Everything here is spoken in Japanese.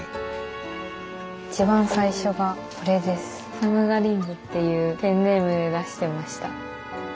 「さむがりんご」っていうペンネームで出してました。